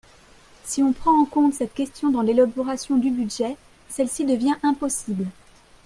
Si on prend en compte cette question dans l’élaboration du budget, celle-ci devient impossible.